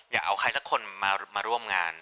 อย่าเอาใครสักคนมาร่วมงาน